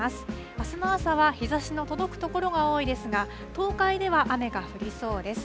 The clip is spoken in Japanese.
あすの朝は日ざしの届く所が多いですが、東海では雨が降りそうです。